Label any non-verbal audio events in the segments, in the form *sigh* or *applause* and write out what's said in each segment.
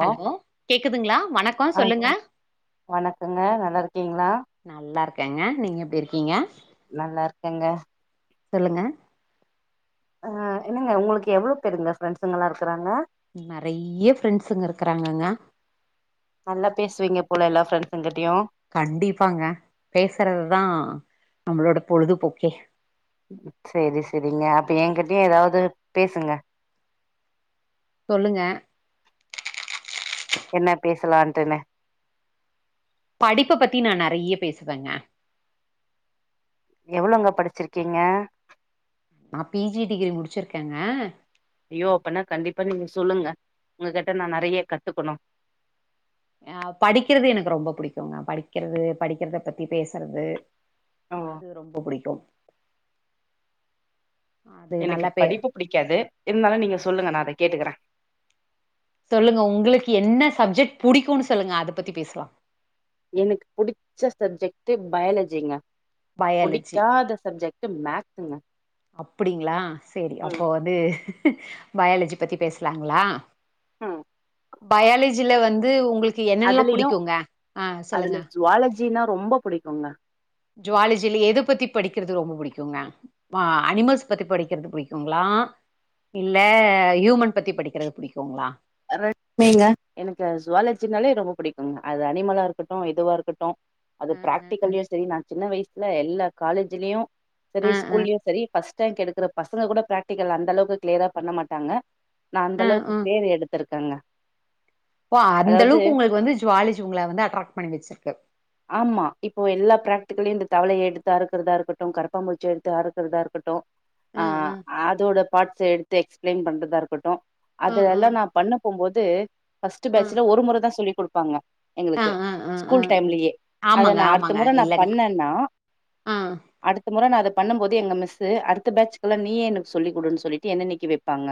Hello கேக்குதுங்களா வணக்கம் ஆ சொல்லுங்க வணக்கங்க நல்லா இருக்கீங்களா நல்லா இருக்கேங்க நீங்க எப்படி இருக்கீங்க நல்லா இருக்கேங்க சொல்லுங்க ஆ என்னங்க உங்களுக்கு எவ்வளோ பேருங்க ஃப்ரெண்ட்ஸுங்கலாம் இருக்காங்க நெறைய ஃப்ரெண்ட்ஸ்ங்க இருக்கறாங்கங்க நல்லா பேசுவீங்க போல எல்லா ஃப்ரெண்ட்ஸ்ங்கிட்ட கண்டிப்பாங்க பேசுறது தா நம்ளோட பொழுதுபோக்கே செரி செரிங்க அப்ப என்கிட்டயும் எதாவது பேசுங்க சொல்லுங்க என்ன பேசலான்ட்டுனு படிப்பை பத்தி நான் நெறைய பேசுவேங்க எவ்ளங்க படிச்சிருக்கீங்க நான் பிஜி டிகிரி முடிச்சிருக்கேங்க ஐயோ அப்பனா கண்டிப்பா நீங்க சொல்லுங்க உங்க கிட்ட நா நெறைய கத்துக்கணும் அஹ் படிக்கிறது எனக்கு ரொம்ப பிடிக்குங்க படிக்கிறது படிக்கிறத பத்தி பேசுறது ஓ அது ரொம்ப புடிக்கும் எனக்கு படிப்பு புடிக்காது இருந்தாலும் நீங்க சொல்லுங்க ந அதை கேட்டுக்குறேன் சொல்லுங்க உங்களுக்கு என்ன சப்ஜெக்ட் புடிக்கும்னு சொல்லுங்க அத பத்தி பேசலாம் எனக்கு புடிச்ச சப்ஜெக்ட் பயாலஜிங்க பயோலஜி புடிக்காத சப்ஜெக்ட் மேக்ஸுங்க அப்டிங்களா செரி ம் அப்போ வந்து பயாலஜி பத்தி பேசலாங்களா ம் பயாலஜி ல வந்து உங்களுக்கு என்னன்னல்லாம் அதுலயு பிடிக்குங்க ஆஹ் அதுல சொல்லுங்க ஜுவாலஜினா ரொம்ப புடிக்குங்க ஜுவாலஜியில எத பத்தி படிக்கிறது ரொம்ப பிடிக்குங்க அனிமல்ஸ் பத்தி படிக்கிறது பிடிக்குங்களா இல்ல ஹியூமன் பத்தி படிக்கிறது பிடிக்குங்களா ரங்க எனக்கு ஜுவாலஜினாலே ரொம்ப பிடிக்குங்க அது அனிமலா இருக்கட்டும் எதுவா இருக்கட்டும் அது ஆ ஆ பிராக்டிகல்லயு செரி நா சின்ன வயசுல எல்லா காலேஜ்லயும் ஆ செரி ஆ ஆ ஸ்கூலயும் செரி ஃஸ்ட் எடுக்கிற பசங்க கூட பிராக்டிகல் அந்த அளவுக்கு கிளியரா பண்ண மாட்டாங்க நான் அந்த ஆ அளவுக்கு பேர் எடுத்தன் இருக்காங்க பா அந்த அளவுக்கு உங்களுக்கு வந்து ஜுவாலஜி உங்கள வந்து அட்ராக்ட் பண்ணி வெச்சிருக்கு ஆமா இப்போ எல்லா பிராக்டிகலையும் இந்த தவளைய எடுத்து அறுக்கிறதா இருக்கட்டும் கரப்பாம்பூச்சி எடுத்து அறுக்கிறதா இருக்கட்டும் ஆ அதோட பாட்ஸ் எடுத்து எக்ஸ்பிளைன் பண்றதா இருக்கட்டும் ஆ ஆ அதுஎல்லாம் நான் பண்ண போகும்போது பர்ஸ்ட ஆ பேச்சல ஒரு முறை தான் சொல்லி கொடுப்பாங்க எங்களுக்கு ஆ ஆ ஆ ஆ ஸ்கூல் டைம்லயே அத ஆமாங்க நான் அடுத்த ஆமாங்க முறை நான் இல்லங்க பண்ணேன்னா ஆ ஆ அடுத்த முறை அத பண்ணும் போது எங்க மிஸ்ஸு அடுத்த பேட்ச்க்கெல்லாம் நீயே எனக்கு சொல்லிக் குடுன்னு சொல்லிட்டு என்ன நிக்க வெப்பாங்க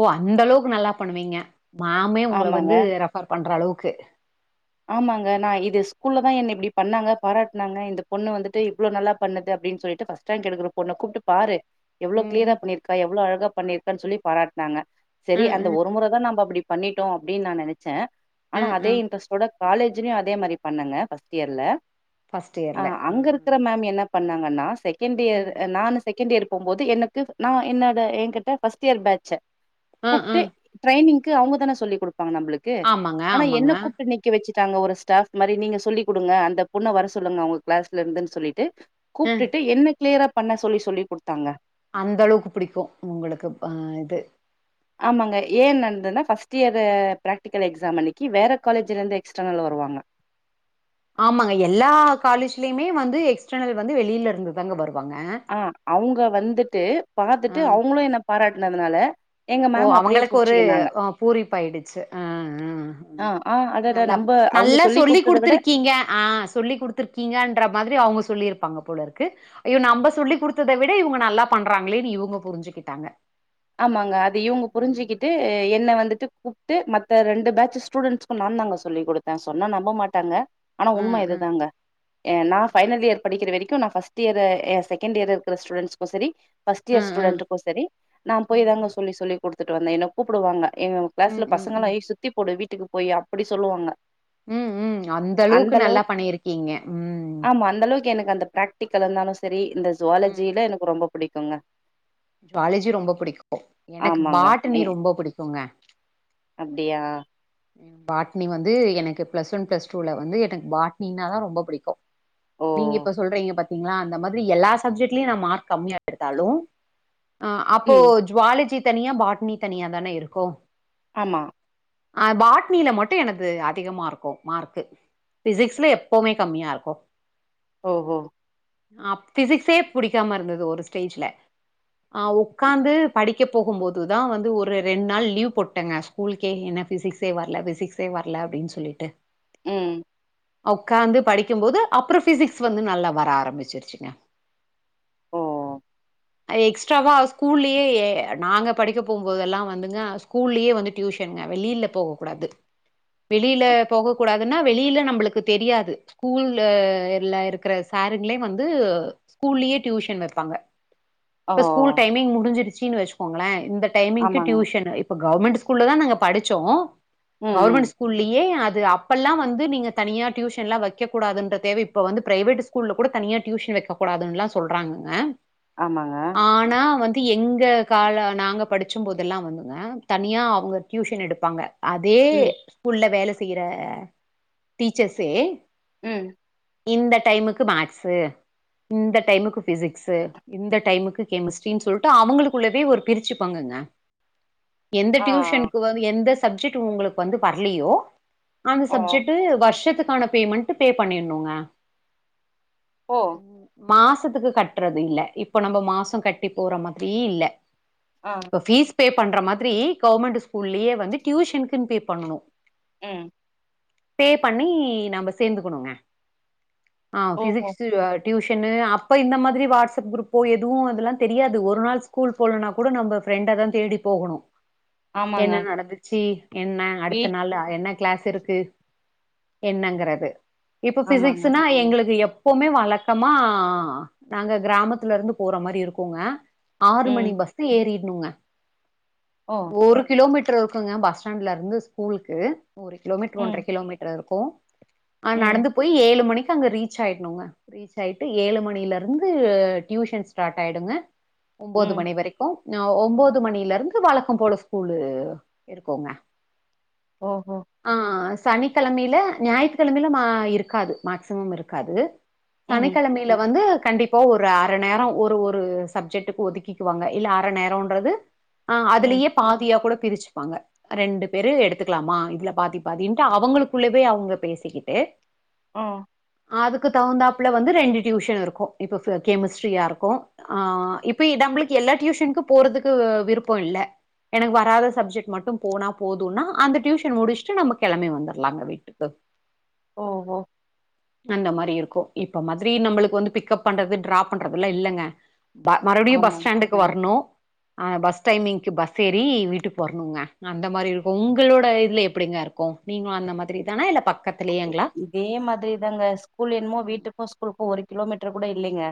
ஓ அந்த அளவுக்கு நல்லா பண்ணுவீங்க மாமே உங்கள ஆமாங்க வந்து ரெஃபர் பண்ற அளவுக்கு *unintelligible* ஆமாங்க நான் இது ஸ்கூல்லல தான் என்ன இப்படி பண்ணாங்க பாராட்டனாங்க இந்த பொண்ணு வந்துட்டு இவ்ளவு நல்லா பண்ணுது அப்படின்னு சொல்லிட்டு பஃர்ஸ்ட் ரேங்க் எடுக்கற பொண்ணை கூப்பிட்டு பாரு எவ்ளோ ம், க்ளியரா ம். பண்ணிருக்கா எவ்ளோ அழகா பண்ணிரு ருக்கா சொல்லி பாராட்னாங்க அ, செரி அ, அந்த ஒரு முறைதான் நம்ம அப்படி பண்ணிட்டோம் அப்படின்னு நான் நினைச்சேன் அ, ஆனா அ. அதே இன்டரெஸ்ட் காலேஜ்லையும் அதே மாதிரி பண்ணுங்க பர்ஸ்ட் இயர்ல ஃபர்ஸ்ட் இயர்ல. அஹ் அ, அங்க இருக்கிற மேம் என்ன பண்ணாங்கன்னா செ இந்த இயர் ம். நானும் செகண்ட் இயர் போகும்போது எனக்கு நான் என்னோட என்கிட்ட பர்ஸ்ட் இயர் பேட்ச் அ, அ. குப்புட்டு ட்ரைனீங் க்கு அவங்க தான சொல்லி கொடுத் ங்க நம்மளுக்கு ஆமாங்க, ஆனா என்ன ஆமாங்க. கூப்ட் நிக்க வச்சுட்டாங்க ஒரு ஸ்டாப் மாதிரி நீங்க சொல்லி் கொடுங்க அந்த பொண்ணை வர சொல்லுங்க அவங்க கிளாஸ்ல இருந்துன்னு சொல்லிட்டு அ கூப்பிட்டுட்டு என்ன கிளியரா பண்ண சொல்லி சொல்லி கொடுத்தாங்க அந்த அளவுக்கு பிடிக்கும் உங்களுக்கு ஆஹ் இது ஆமாங்க ஏன் நடந்ததுன்னா பர்ஸ்ட் இயர் பிராக்டிக்கல் எக்ஸாம் அன்னைக்கு வேற காலேஜ்ல இருந்து எக்ஸ்டர்னல் வருவாங்க ஆமாங்க எல்லா காலேஜ்லயுமே வந்து எக்ஸ்டர்னல் வந்து வெளியில இருந்துதாங்க வரும் ஆஹ் அவங்க வந்துட்டு தே அ. பார்த்துட்டு அவங்களும் என்ன பாராட்டுனதுனால எங்க ஓ மேம் அப்டியே அவங்களுக்கு ஒரு புடிச்சுக்கினாங்க பூரிப்ப ஆயிடுச்சு ஆஹ்ஹ்ஹ ஆ ஆ அடடா நல்லா நம்ப அவங்க நல்லா சொல்லி குடுத்தத விட குடுத்திருக்கீங்க ஆஹ் சொல்லி்டுத்துருக்கீங்கன்ற மாதிரி அவங்க சொல்லியிருப்பாங்க போல இருக்கு அய்யோ நம்ம சொல்லி் கொடுத்ததை விட இவங்க நல்லா பண்றாங்களேன்னு இவங்க புரிஞ்சுகிட்டாங்க ஆமாங்க இவங்க புரிஞ்சுகிட்டு என்ன வந் ட்டுக்கு கூப்பிட்டு மத்த ரெண்டு பேட்ச் ஸ்டுடெண்ட் நான் தாங்க சொல்லிக் கொடுத்தேன் சொன்னா நம்ப மாட்டாங்க ஆனா ம் உண்மை ம் இதுதாங்க நான் பைனல் இயர் படிக்கிற வரைக்கும் நா ப ஃர்ஸ்ட் இயர் செகண்ட் இயர் இருக்க ஸ்டூடெட்ஸ்கும் சேரி பர்ஃஸ்ட் இயர் ம் ம் ஸ்டுடெண்ட்டுக்கும் செரி போய் தாங்க ம் சொல்ல சொல்லி கொடுத்துட்டு வந்தேன் என்ன கூப்பிவாங்க எங்க ம் ம் கிளாஸ்ல ம் பசங்கள ம் ஏ சுத்தி போடு டி வீட்டுக்கு போய் அப்படி சொல்லுவாங்க உம் உம் அந்த அளவுக்கு நல்லா பண்ணியிருக்கீங்க உம் புடி கலனாலும் செரி இந்த ஜுவாலஜியில எனக்கு ரொம்ப புடிக்குங்க காலேஜி ரொம்ப பிடிக்கும் எனக்கு பாட்டனி ரொம்ப புடிக்குங்க அப்புடியா பாட்னி வந்து எனக்கு பிளஸ் ஒன் பிளஸ் டூல வந்து எனக்கு பாட்னினாதான் ரொம்ப பிடிக்கும் ஓ நீங்க இப்ப சொல்றீங்க பத் லா அந்த மாதிரி எல்லா சப்ஜெக்ட்லயும் நான் மார்க் கம்மியா எடுத்தாலும் ஆஹ அப்போ ம் ஜுவாலஜி தனியா பாட்டினி தனியா தானே இருக்கும் ஆமா அஹ் பாட்னியில மட்டும் எனது அதிகமா இருக்கும் மார்க்கு பிசிக்ஸ்ல எப்பவுமே கம்மியா இருக்கும் ஓஹ அஹ் பிசிக்ஸே புடிக்காம இருந்தது ஒரு ஸ்டேஜ்ல ஆஹ் உட்காந்து படிக்க போகும் போதுதான் வந்து ஒரு ரெண்டு நாள் லீவ் போட்டேங்க ஸ்கூலுகே என்ன பிசிக்ஸே வரல பிசிக்ஸே வரல அப்படின்னு சொல்லிட்டு உம் உட்காந்து படிக்கும்போது அப்புறம் பிசிக்ஸ் வந்து நல்லா வர ஆரம்பிச்சிருச்சுங்க ஓ எக்ஸ்ட்ராவா ஸ்கூல்லயே நாங்க படிக்க போகும்போதுல்லாம் வந்துங்க ஸ்கூல்லயே வந்து டியூஷன்ங்க வெளியில போக கூடாது வெளியில போக கூடாது ஆனா வெளியில நம்மளுக்கு தெரியாது ஸ்கூல்ல இல்ல இருக்கிற சாருங்களே வந்து ஸ்கூல்லயே டியூஷன் வைப்பாங்க ஓ இப்ப ஸ்கூல் டைமிங் முடிஞ்சுரு சீன் வச்சுக்கோங்களேன் இந்த டைமிங் ஆமாங்க டியூஷன் இப்ப கவர்மெண்ட் ஸ்கூலில் தான் நாங்கள் படித்தோம் ம் ம் கவர்மென்ட் ஸ்கூல்லயே அத் அது அப்பெல்லாம் வந்து நீங்க தனியா டியூஷன்ல்லாம் வைக்ககூடாதுன்னு தேவை இப்ப வந்து பிரைவேட் ஸ்கூல்ல கூட தனியா டியூஷன் வைக்கக் கூடாதுன்னல்லாம் சொல்றாங்கங்க ஆமாங்க ஆனா வந்து எங்க கால நாங்க படிச்சபோதெல்லாம் வந்துங்க தனியா அவங்க டியூஷன் எடுப்பாங்க அதே ம் ஸ்கூல்ல வேலை செஞ் தீர டீச்சர்ஸே உம் இந்த டைமுக்கு மேத்ஸ்ஸு இந்த டைமுக்கு பிசிக்ஸு இந்த டைமுக்கு கெமிஸ்ட்ரின்னு சொல்லிட்டு அவங்களுக்குள்ளவே ஒரு பிரிச்சு பங்குங்க எந்த ஆ டியூஷனுக்கு வந்து எந்த சப்ஜெக்ட் உங்களுக்கு வந்து வரலையோ அந்த ஆ சப்ஜெக்ட்டு வருஷத்துக்கு ஆனா பேமெண்ட் பே பண்ணணுங்க ஓ உம் உ மாசத்துக்கு கட்டுறது இல்ல இப்ப நம்ம மாசம் கட்டி போற மாதிரியே இல்ல ஆ இப்ப ஃபீஸ் பே பண்ற மாதிரி கவர்மெண்ட் ஸ்கூல்லேயே வந்து டியூஷனுக்குனு பே பண்ணனும் ஆஹம் பே பண்ணி நம்ம சேர்ந்துக்கணுங்க ஆஹ் ஓஹோ பிசிக்ஸ்ஸு டியூஷனு அப்போ இந்த மாதிரி வாட்ஸ்அப் குரூப்போ எதுவும் அதெல்லாம் தெரியாது ஒரு நாள் ஸ்கூல் போகலனா கூட நம்ம ஃப்ரெண்டா தான் தேடி போகணும் ஆமாங்க என்ன நடந்தது சி என்ன அடுத்த வீட் நாள் என்ன கிளாஸ் இருக்கு என்னங்கறது இப்ப ஆமாங்க பிசிக்ஸ்ன்னா எங்களுக்கு எ எப்பவுமே வழக்கமா நாங்க கிராமத்துல இருந்து போற மாதிரி இருக்கோங்க ஆறு மணி ம் பஸ்சு ஏறிட னுங்க ஓ ஒரு கிலோமீட்டர் க்குங்க பஸ் ஸ்டாண்ட்லருந்து ஸ்கூலுக்கு ஒரு கிலோமீட்டர் ஒன்ற ம் கிலோமீட்டர் இருக்கும் போ அ ம் நடந்து போய் ஏலு மணிக் க்கு அங்க ரீச் ஆயிட்னுங்க ரீச் ஆயிட்டு ஏழு மணில இருந்து டியூஷன் ஸ்டாட் ஆய்டுங்க ஒம்போது ம் மணி வரைக்கு னவ் ஒம்போது மணிலருந்து வழக்கொ போல ஸ்கூலு இருக்கோங்க ஓஹோ ஆ ஸ் சனி கெளமைல ஞாயித்துக்கெளமைல மா இருக்காது மேக்சிமம் இருக்காது ம் சனிக்கெளமைல வந்து கண்டிப்பா ஒரு அர நேரோ ஒரு ஒரு சப்ஜெட்டுக்கு ஒதுக்கிக்குவாங்க இல்ல அர நேரோன்றது ஆ ம் அதுலயே பாதியாக் கூட பிரிச்சு ப்பாங்க ரெண்டு பேரு எடுத்துக்கலாமா இதுல பாதி பாதின்ட்டு அவங்களுக்குள்ளவே அவங்க பேசிக்கிட்டு ம் அதுக்கு தகுந்தாப்ல வந்து ரெண்டு டியூஷன் இருக்கும் இப்ப ஃபி கெமிஸ்ட்ரியா இருக்கும் ஆ இப்போ இ தம்ளுக்கு எல்லா டியூஷன்க்கு போறதுக்கு விருப்பொ இல்ல எனக்கு வராத சப்ஜெட் மட்டும் போனா போதுன்னா அந்த டியூஷன் முடிஷ்ட்டு நம்ப கெளம்பி வந்துர்லாங்க வீட்டுக்கு ஓஹோ அந்த மாரி இருக்கும் இப்ப மாத்ரி நம்பளுக்கு வந்து பிக்கப் பண்றது ட்ராப் பண்றதுல்லா இல்லங்க ப மறுபடியு பஸ் ஆமாங்க ஸ்டாண்டுக்கு வர்ணு ஆ பஸ் டைமிங்க்கு பஸ் ஏறி வீட்டுக்கு போற் னுங்க அந்த மாரி இருக்கும் உங்களோட இதுல எப்படிங்க இருக்கும் நீங்களு அந்த மாதிரி தானா இல்ல பக் இ இதே மாதிரி தாங்க ஸ்கூல் என்னுமோ வீட்டுக்கும் ஸ்கூலுக்கும் ஒருக் கிலோமீட்டர் கூட இல்லைங்க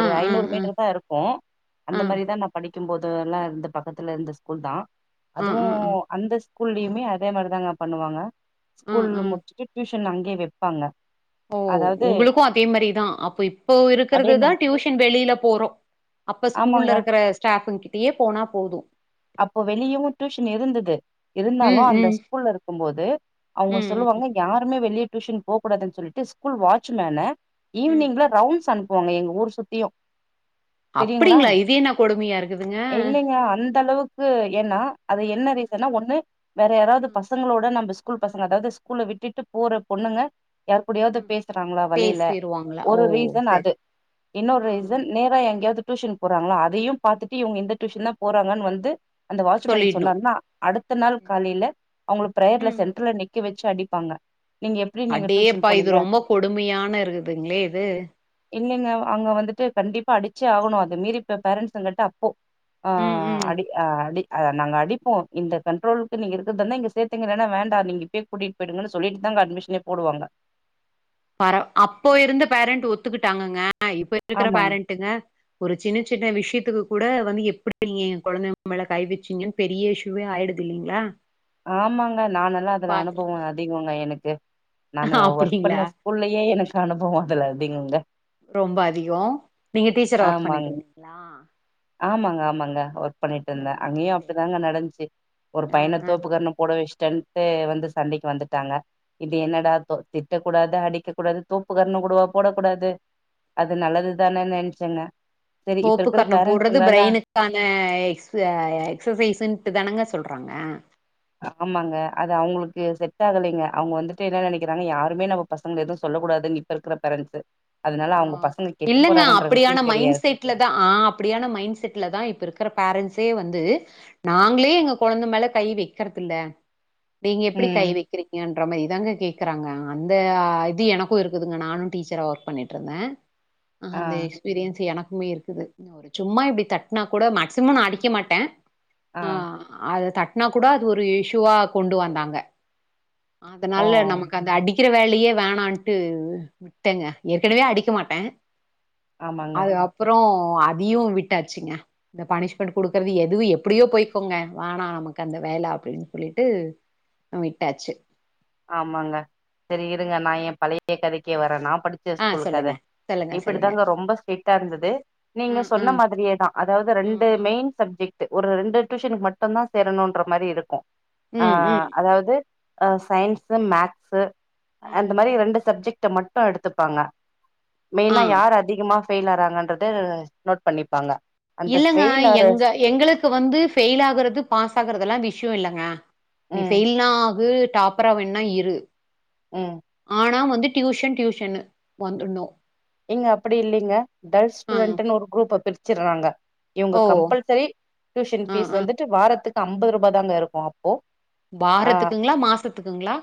ஆ ஆ ஐநூறு ஆ மீட்டர் தா இருக்கும் அந்த ஆ மாரிதா நா படிக் க்கும் போது எல்லார்ந்த பக்கத்துல இருந்த ஸ்கூல் தா ஆ அதுவு ஆ அந்த ஸ் கூல்லியுமே அதே மாரிதாங்க பண்ணுவாங்க ஆ ஸ்கூல்லு ஆ முட் டிஞ்சி டியூஷன் அங்கே வைப்பாங்க ஓ அதாவது உங்களுக்கு அதே மாரிதா அப்ப இப்போ அதே இருக்கறதுதா மாரி டியூஷன் வெளில போறோ அப்ப ஆமாங்க ஸ்கூல்ல இருக்கற ஸ்டாஃப்ங் கிட் ட்டியே போனா போதும் அப்போ வெளியவு டியூஷன் இருந்துது இருந்தாலு ம், அந்த ம், ஸ்கூல்ல இருக்கும் போது அவங்க ம், ம், சொல்லுவாங்க யாருமே வெளிய டியூஷன் போக் கூடாதுன்னு சொல்லிட்டு ஸ்கூல் வாட்ச் மேனு ம். ஈவினிங்ல ரவுண்ட்ஸ் அனுப் புவாங்க எங்க ஊர் சுத்தியு தெரியுங்களா அப்படிங்ளா இது என்ன கொடுமையா இருக்குதுங்க அ கூ யக் ஏன்னா அது என்ன ரீசனா ஒண்ணு வேற யாராவது ம், ம், பசங்களோட நம்ப கூல் பசங்க அதாது ஸ்கூல்ல விட்டுட்டு போற பொண்ணுங்க யார்க்குடயாவது ம். பேசுறாங்களா வழியில பேசிருவாங்களா? ஓ! ஒரு ரீசன் சரி. அது இன்னொரு ரீசன் ம். நேரா எங்கயாவது டியூஷனுக் போறாங்களா அதையும் பாத்துட்டு இங்க இந்த டியூன் தா போறாங்கன் வந்து அந்த வாட்சமேன் சொல்லிடணும். சொன்னாருன்னா அடுத்த நாள் காலையில அவங்க பிரேயர்ல சென்ட்ர்ல நிக்க வச் அடிப்பாங்க நீங்க எப்படி நீங்க டியூஷன் அடேப்பா இது போனீங்க ரொம்ப கொடுமையான இருக்குதுங்களே இது இல்லைங்க அங்க வந்துட்டு கண்டிப்பா அடிச்சே ஆகணும் அது மீறி இப்ப பேரண்ட்ஸ் க அப்போ ஆ ம், ம். அடி அ அடி அ நாங்க அடிப்போ இந்த கண்ட்ரோலுக்கு நீங்க இருக்குறதானே இங்க சேத்துங்க இல்லனா வேண்டா நீங்க இப்பயே கூட்டிட்டு போய்டுங்கனு சொல்லிட்டு தா அங்க அட்மிஷனே போடுவாங்க பர அப்போ இருந்த பேரண்ட் ஒத்துக்கிட்டாங்கங்க ஆ இப்ப இருக்கிற ஆமாங்க பேரண்ட்டுங்க ஒரு சின்ன சின்ன விஷயத்துக்கு கூட வந்து எப்டி ஏ குழந்த மேல கை வச்சீங்கன் பெரிய இஷ்யூவே ஆயிடுத்து இல்லிங்களா ஆமாங் நானல்லாம் அதுல அனுபவம் அதிகங்க என் நெக்கு நானு ஒர்க் அப்டிங்களா பண்ண ஸ்கூல்லயே எனக் அனுபவம் அதுல அதிகங்க ரொம்ப அதிகோ நீங்க டீச்சர் ஒர்க் ஆமாங்க பண்ணிட்டு ந்தீங்களா ஆமாங்க ஆமாங்க பண்ணிட்டு ஆ இருந்தே அங்கேயும் சேரி அப்டிதாங்க சேரி நடந்ச்சு ஒரு ஆ பையன ஆ தோப்புக்கரணம் போட வச் டென்ந்த் வந்து சண்டைக்கு வந்துட்டாங்க இது என்னடாத்தோ திட்டக் கூடாது அடிக்க கூடாது தோப்பு கரணங் கூடவா போடக்கூடாது அது நல்லதுதானே நென்ச்செங்க சரி இப்ப இருக்கிற பேரண்ஸ் ப்ரெயினுக்கான எக்ஸ் எக்ஸசைசுண்டு தானங்க சொல் ட்றங்க ஆமாங்க அது அவங்ளுக்கு செட்டாகலெங்க அவங்க வந்துட்டு என்ன நெனைக்கிறாங்க யாருமே நம்ம பசங்க எதுவும் சொல்ல கூடாதுன் இப்ப இருக்கிற பேரண்ட்ஸு அதனால ஆ அவங்க பசங்க கெட்டு இல்லங்க போறாங்கன்ற விஷயோ அப்டியான மைண்ட் தெரியாது செட்ல தா ஆ அப்டியான மைண்ட் செட்ல தா இப்ப இருக்குற பேரண்ஸே வந் து நாங்ளே எங்க குழந்த மேல கை வைக்கறதுல்ல நீங்க எப்டி கை ம் வக்கிறீங்க ரொம்ப இதாங்க கேட்குறாங்க அந்த அ இது எனக்கு இருக்குதுங்க நானு டீச்சரா ஒர்க் பண்ணிட்டுருந்தே அ ஆ அந்த எக்ஸ்பீரியன்ஸ் எனக் மே இருக்குது ஒரு சும்மா இப்டி தட்டுனா கூட மேக்சிமம் நா அடிக்க மாட்டே ஆ அது த நா கூட அது ஒரு இஷுவா கொண்டு வந்தாங்க ஓ அதனால நமக்கு அந்த அடி க்கிற வேலயே வேணான்ட்டு விட்டேங்க ஏற்கனவே அடிக்க மாட்டே ஆமாங்க அது அப்றொ ஒ அதையு விட்டாச்சுங்க இந்த பனிஷ்மெண்ட் குடுக்குறது எதுவு எப்புடியோ போய்க்கொங்க வாணா நமக்கந்த வேல அப்டின் சொல்லிட்டு விட்டாச்சு ஆமாங்க செரி இருங்க நா ஏ பழை ய கதைக்கே வர நா படிச்ச ஆ ஸ்கூலு கத சொல்லுங்க சொல்லுங்க சொல்லுங்க இப்பிடித்தாங்க ரொம்ப ஸ்ட்ரிட்டா இருந்தது நீங்க ம் சொன்ன ம் மாதிரியே தா அதாவ்து ரெண்டு மெய்ன் சப்ஜெக்டு ஒர் ரெண்டு டியூஷனுக்கு மட்டுந்தா சேரணுன்ற மாரி இருக்கு ஆ ம் ம் ம் அதாவ்து அ சயின்ஸு மேக்ஸு ம் அந்த மாரி ரெண்டு சப்ஜெக்ட் ட மட்டு எடுத்துப்பாங்க ஆ மெய்னா யார் அதிகமா ஃபெயில் ஆறாங்கன்றது நோட் பண்ணிப்பாங்க அந்த இல்லங்க ஃபெயில் ஆற எங்க எங்களுக்கு வந்து ஃபெயில் ஆகுறது பாஸ் ஆகுறதல்லா விஷ்யொ இல்லங்க நீ ம் ஃபெயில்னா ஆகு டாப்பரா வேன்னா இரு ம் ஆனா வந்து டியூஷன் டியூஷன்னு வந்துட்ணு ஏங்க அப்பிடி இல்லிங்க டல் ஆ ஸ்டூடெண்ட்டுணு ஒரு குரூப்ப பிரி ச்சுர்றாங்க இவுங்க ஓ கம்பல்சரி டியூஷன் ஆ ஃபீஸ் ஆ வந்துட்டு வாரத்துக் அம்பது ரூபா தாங்க இருக்கு அப் வாரத்துக்குங்ளா மாசத்துக்குங்ளா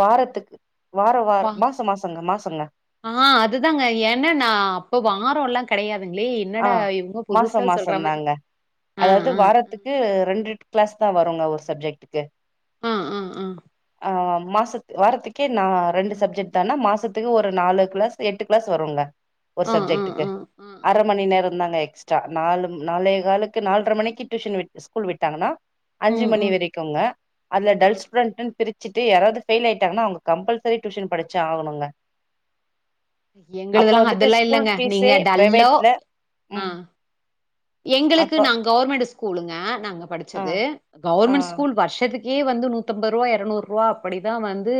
வாரத்துக்கு வார வார பா மாச மாசங்க மாசங்க ஆ அதுதாங்க ஏ ன்னனா அப்போ வாரொல்லா கெடையா ஆ மாரி. மாசமாசந்தாங்க ஆ, அதாவ்து ஆ, வாரத்துக்கு ரெண்டுட்டு கிளாஸ் தா வருங்க ஒரு சப்ஜெக்ட் டு ஆ, ஆ, ஆ, ஆ மா சத்து வாரத்துக்கே நா ரெண்டு சப்ஜெக்ட் தானா மாசத்துக்கு ஒரு நாலு கிளாஸ் எட்டு கிளாஸ் வருங்க ஒரு ஆ, ஆ, சப்ஜெக்டுக்கு ஆ, ஆ, ஆ. அர *unintelligible* தாங்க எக்ஸ்ட்ரா நாலு நாலே காலுக்கு நால்ர மணிக்கு டியூஷன் விட்டு ஸ்கூல் விட்டாங்கனா அஞ்சி ம், மணி ம். வெரிக்குங்க அதுல ஆ. டல் ஸ்டுடண்ட்னு பிரி ச்சிட்டு யாராவது ஃபெயில் ஆயிட்டாங்னா அவங்க கம்பல்செரி டியூஷன் படிச்சு ஆகணுங்க எங்களுதல்லா அதெல்லா இல்லங்க நீங்க டல்லோ இல்ல ஆ. ம் எங்களுக்கு அப்ப நா கவர்மெண்ட்டு ஸ் ஸ்கூலுங்க நாங்க ஆ படிச்சது ஆ கவர்மெண்ட் ஸ்கூல் வருஷத்துக்கு ஏ வந்து நூத்தம்பரூவா எரநூரூவா அப்படிதா வந்து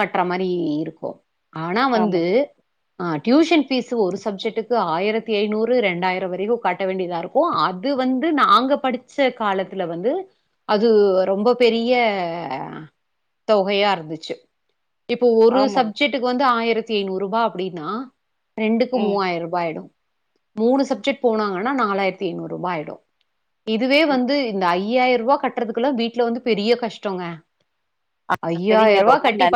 கட்ற மாரி இருக்கும் ஆனா ஆமா வந்து ஆ டியூஷன் ஃபீஸு ஒரு சப்ஜெட்டுக்கு ஆயிரத்தி ஐநூறு ரெண்டாயிரோ வர ரையு காட்ட வேண்டியதா இருக்கும் அது வந்து நாங்க படிச்ச காலத்துல வந்து அது ரொம்ப பெரிய தொகையா இருந்துச்சு இப்போ ஒரு ஆமாங்க சப்ஜெட்டுக்கு வந்து ஆயிர் ரத்திஐநூருபா அப்டின்னா ரெண்டுக்கு ம் மூவாயிரூபா ஆயிடும் மூணு சப்ஜெட் போனாங்கன்னா நாலாயிரத்தி ஐநூரூபா ஆய்டும் இதுவே ம். வந்து இந்த ஐ ய்யாயிரூபா கட்டுறதுக்குல்ல வீட்ல வந்து பெரிய கஷ்டங்க ஆ, சரிங்க ஐயாயிருவா ரொம்ப நன் கட்டி படி